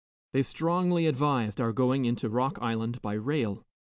They strongly advised our going into Rock Island by rail.